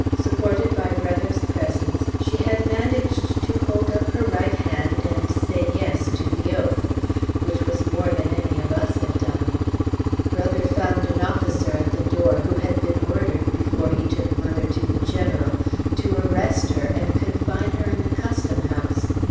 Supported by Brother's presence, she had managed to hold up her right hand and say "Yes" to the oath which was more than any of us had done. Brother found an officer at the door who had been ordered (before he took mother to the General) to arrest her and confine her in the Custom House.